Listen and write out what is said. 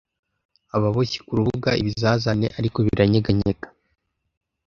Ababoshyi kurubuga - ibizazane - ariko biranyeganyega